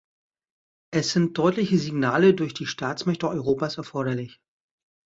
Es sind deutliche Signale durch die Staatsmächte Europas erforderlich.